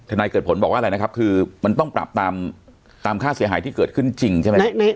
นายเกิดผลบอกว่าอะไรนะครับคือมันต้องปรับตามค่าเสียหายที่เกิดขึ้นจริงใช่ไหม